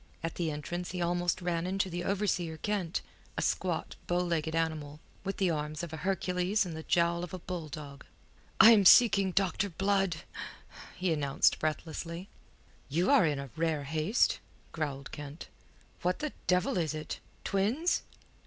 At the entrance he almost ran into the overseer Kent, a squat, bow legged animal with the arms of a Hercules and the jowl of a bulldog. "I am seeking Doctor Blood," he announced breathlessly. "You are in a rare haste," growled Kent. "What the devil is it? Twins?"